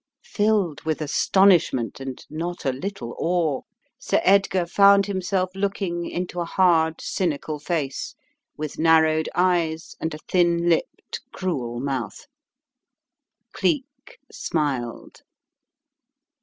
Filled with astonishment and not a little awe, Sir Edgar found himself looking into a hard, cynical face with narrowed eyes and a thin lipped, cruel mouth. Cleek smiled.